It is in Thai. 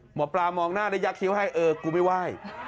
หมอปลามองหน้าแล้วยักษ์คิ้วให้เออกูไม่ไหว้